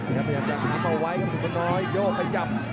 ยังพยายามจะนำเอาไว้ครับคุณคุณน้อยโยกให้ยับ